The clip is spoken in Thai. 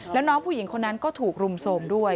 แล้วน้องผู้หญิงคนนั้นก็ถูกรุมโทรมด้วย